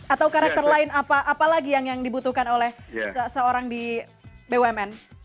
atau karakter lain apa lagi yang dibutuhkan oleh seorang di bumn